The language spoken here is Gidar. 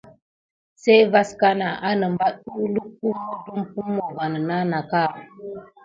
Sey vaskana anebat uwluk pummo dupummo va mena naka.